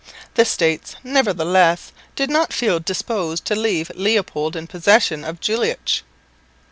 The States nevertheless did not feel disposed to leave Leopold in possession of Jülich.